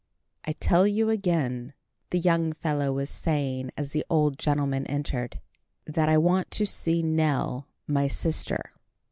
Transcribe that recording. "I tell you again," the young fellow was saying as the Old Gentleman entered, "that I want to see Nell my sister."